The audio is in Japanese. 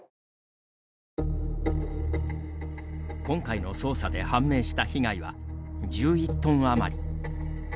今回の捜査で判明した被害は１１トン余り。